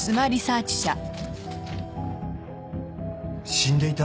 死んでいた？